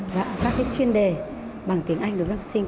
và các chuyên đề bằng tiếng anh đối với học sinh